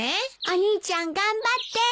お兄ちゃん頑張って。